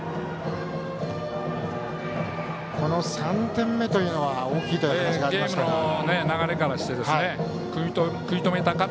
３点目というのは大きいという話がありましたが。